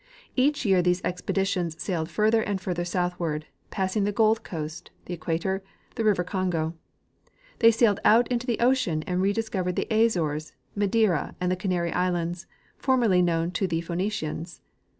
Each year these expeditions sailed further and further soutliAvard, passing the Gold coast, the equator, the river Congo. They sailed out into the ocean and rediscovered the Azores, Madeira and the Canary islands, formerly knoAvn to the Phenicians.